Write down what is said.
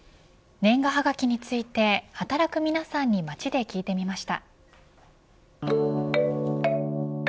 年賀はがきについて働く皆さんの街で聞いてみました。